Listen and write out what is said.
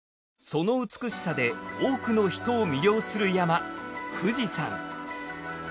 その美しさで多くの人を魅了する山富士山。